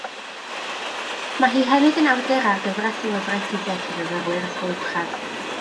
Mae hi hefyd yn awdur ar gyfres o lyfrau ffiseg i fyfyrwyr ysgol uwchradd.